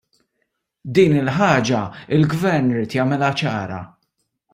Din il-ħaġa l-Gvern ried jagħmilha ċara.